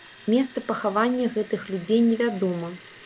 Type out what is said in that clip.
Месца пахавання гэтых людзей невядома.